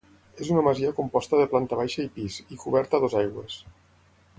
És una masia composta de planta baixa i pis, i coberta a dues aigües.